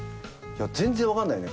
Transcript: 全然分かんないね。